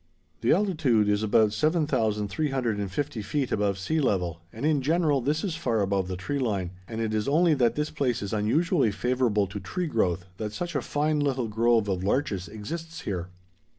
The altitude is about 7350 feet above sea level and in general this is far above the tree line, and it is only that this place is unusually favorable to tree growth that such a fine little grove of larches exists here.